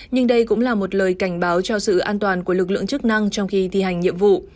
nhưng đây cũng là một lời cảnh báo cho sự an toàn của lực lượng chức năng trong khi thi hành nhiệm vụ